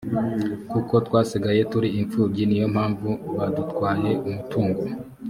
kuko twasigaye turi imfubyi niyo mpanvu badutwaye umutungo